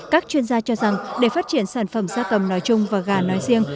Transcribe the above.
các chuyên gia cho rằng để phát triển sản phẩm da cầm nói chung và gà nói riêng